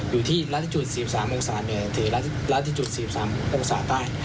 อยู่ที่ราติจุ๔๓องศาเหนือหรือราติจุ๔๓องศาใต้